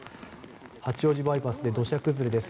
八王子バイパスで土砂崩れです。